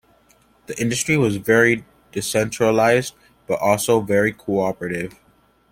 This industry was very decentralized, but also very co-operative.